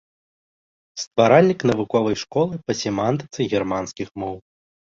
Стваральнік навуковай школы па семантыцы германскіх моў.